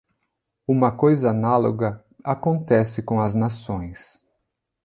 Uma coisa análoga acontece com as nações.